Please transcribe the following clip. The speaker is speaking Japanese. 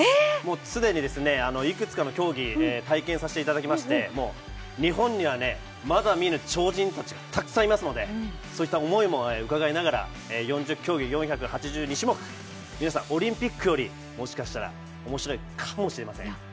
既にいくつかの競技体験させていただきまして日本にはまだ見ぬ超人たちがたくさんいますので、そういった思いも伺いながら４０競技４８２種目、皆さん、オリンピックよりもしかしたら面白いかもしれない。